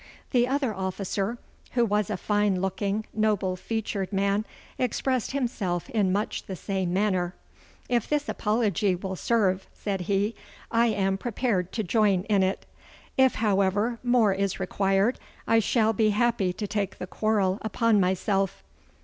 The other officer, who was a fine looking, noble featured man, expressed himself in much the same manner. 'If this apology will serve,' said he, 'I am prepared to join in it. If, however, more is required, I shall be happy to take the quarrel upon myself.